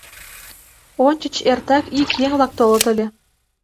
Ончыч эртак ик еҥ-влак толыт ыле.